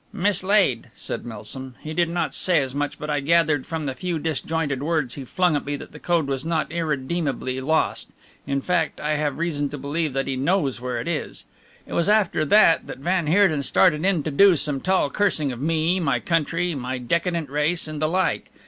"Mislaid," said Milsom. "He did not say as much, but I gathered from the few disjointed words he flung at me that the code was not irredeemably lost; in fact, I have reason to believe that he knows where it is. It was after that that van Heerden started in to do some tall cursing of me, my country, my decadent race and the like.